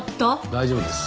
大丈夫です。